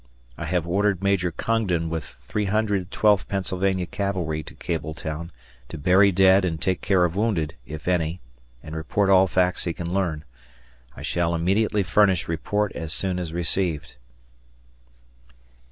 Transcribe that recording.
I have ordered Major Congdon with 300 Twelfth Pennsylvania Cavalry to Kabletown to bury dead and take care of wounded, if any, and report all facts he can learn. I shall immediately furnish report as soon as rec'd.